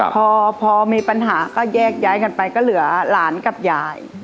พอมีปัญหาก็แยกย้ายกันไปก็เหลือหลานกับยาย